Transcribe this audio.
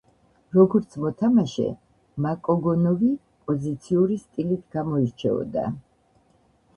როგორც მოთამაშე, მაკოგონოვი პოზიციური სტილით გამოირჩეოდა.